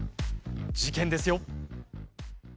事件ですよ。